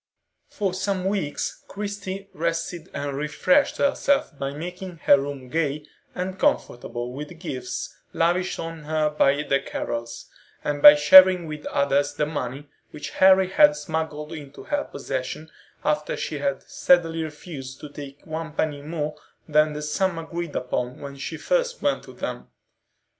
For some weeks Christie rested and refreshed herself by making her room gay and comfortable with the gifts lavished on her by the Carrols, and by sharing with others the money which Harry had smuggled into her possession after she had steadily refused to take one penny more than the sum agreed upon when she first went to them.